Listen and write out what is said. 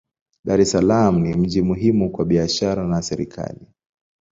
Dar es Salaam ni mji muhimu kwa biashara na serikali.